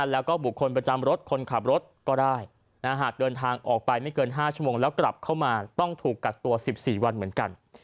แล้วก็บุคคลประจำรถคนขับรถก็ได้หากเดินทางออกไปไม่เกิน๕ชั่วโมงแล้วกลับเข้ามาต้องถูกกักตัว๑๔วันเหมือนกัน